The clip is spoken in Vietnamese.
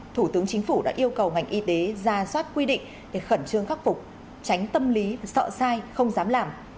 thủ tướng chính phủ đã yêu cầu ngành y tế ra soát quy định để khẩn trương khắc phục tránh tâm lý sợ sai không dám làm